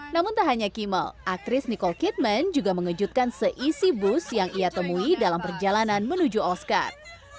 namun tak hanya kimal aktris niko kitman juga mengejutkan seisi bus yang ia temui dalam perjalanan menuju oscar